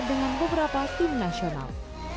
dengan beberapa tim nasional